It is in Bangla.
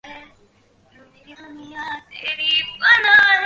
তিনি হেফাজতে ইসলাম বাংলাদেশ গঠন করে জাতীয় পর্যায়ে বহুবিধ সংস্কার করেন।